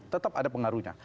tetap ada pengaruhnya